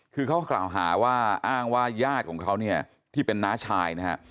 คือเขากล่าวหาว่าอ้างว่าญาติของเขาเนี่ยที่เป็นน้าชายนะฮะ